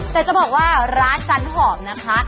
แต่จะบอกว่าร้านจันหอมนะคะ